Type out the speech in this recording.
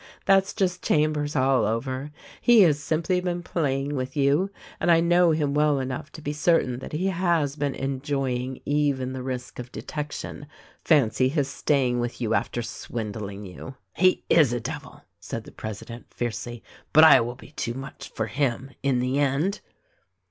That's just Chambers all over! He has simply been playing with you — and I know him well enough to be cer tain that he has been enjoying even the risk of detection: fancy his staying with you after swindling you !" "He is a devil !" said the president fiercely, "but I will be too much for him, in the end."